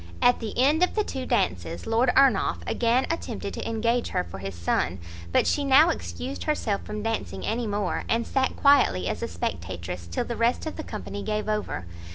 At the end of the two dances, Lord Ernolf again attempted to engage her for his son, but she now excused herself from dancing any more, and sat quietly as a spectatress till the rest of the company gave over.